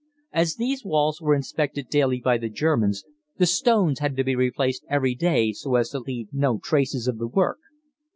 As these walls were inspected daily by the Germans the stones had to be replaced every day so as to leave no trace of the work.